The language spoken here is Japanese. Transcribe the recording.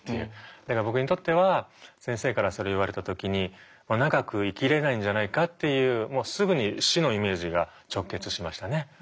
だから僕にとっては先生からそれ言われた時に長く生きれないんじゃないかっていうもうすぐに死のイメージが直結しましたね。